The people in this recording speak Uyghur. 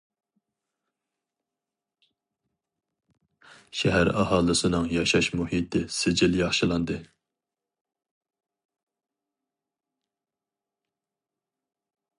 شەھەر ئاھالىسىنىڭ ياشاش مۇھىتى سىجىل ياخشىلاندى.